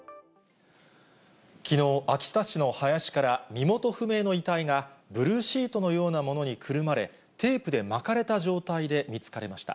きのう、秋田市の林から身元不明の遺体がブルーシートのようなものにくるまれ、テープで巻かれた状態で見つかりました。